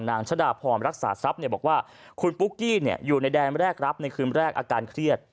ชดาพรรักษาทรัพย์บอกว่าคุณปุ๊กกี้อยู่ในแดนแรกรับในคืนแรกอาการเครียด